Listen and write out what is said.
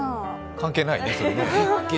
関係ないね。